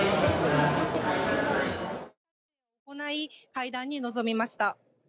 会談に臨みました。